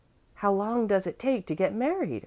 "How long does it take to get married?"